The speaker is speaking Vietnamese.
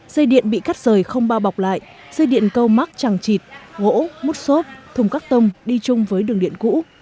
dây điện bị cắt rời không bao bọc lại dây điện câu mắc chẳng chịt gỗ mút xốp thùng các tông đi chung với đường điện cũ